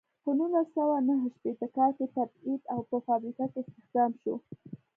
په نولس سوه نهه شپیته کال کې تبعید او په فابریکه کې استخدام شو.